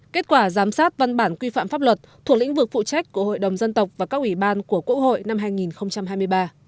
kết quả giám sát văn bản quy phạm pháp luật thuộc lĩnh vực phụ trách của hội đồng dân tộc và các ủy ban của quốc hội năm hai nghìn hai mươi ba